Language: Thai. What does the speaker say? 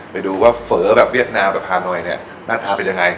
ไปดูว่าเฝอแบบเวียดนามแบบฮานอยเนี่ยหน้าตาเป็นยังไง